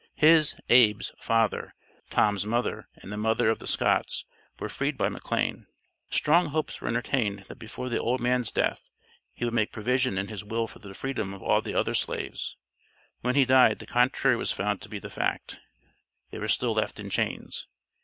His (Abe's) father, Tom's mother and the mother of the Scotts were freed by McLane. Strong hopes were entertained that before the old man's death he would make provision in his will for the freedom of all the other slaves; when he died, the contrary was found to be the fact; they were still left in chains.